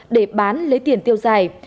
để bán lấy tiền tiêu giày